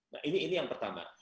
nah ini yang pertama